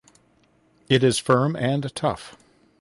It is firm and tough.